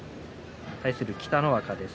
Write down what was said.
対する北の若です。